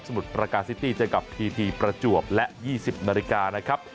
มุดประการซิตี้เจอกับพีทีประจวบและ๒๐นาฬิกานะครับ